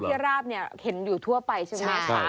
ราบเนี่ยเห็นอยู่ทั่วไปใช่ไหมคะ